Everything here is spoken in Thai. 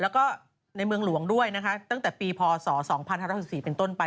แล้วก็ในเมืองหลวงด้วยนะคะตั้งแต่ปีพศ๒๕๑๔เป็นต้นไป